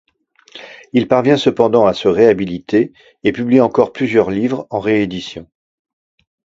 Il parvient cependant à se réhabiliter et publie encore plusieurs livres en réédition.